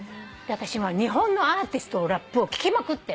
私今日本のアーティストのラップを聴きまくってるの。